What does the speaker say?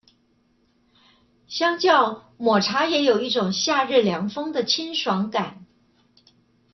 相較抹茶也有一種夏日涼風的清爽感